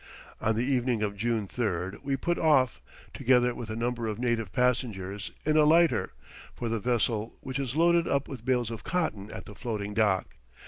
On the evening of June 3d we put off, together with a number of native passengers, in a lighter, for the vessel which is loading up with bales of cotton at the floating dock.